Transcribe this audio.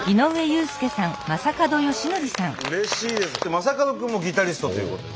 正門君もギタリストということで。